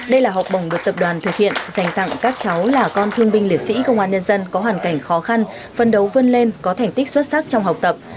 đây là học bổng được tập đoàn thực hiện dành tặng các cháu là con thương binh liệt sĩ công an nhân dân có hoàn cảnh khó khăn phân đấu vươn lên có thành tích xuất sắc trong học tập